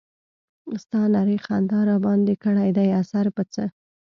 ستا نرۍ خندا راباندې کړے دے اثر پۀ څۀ